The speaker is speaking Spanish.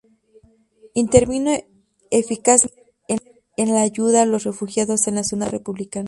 Intervino eficazmente en la ayuda a los refugiados en la zona republicana.